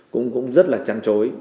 cũng rất là trăn trối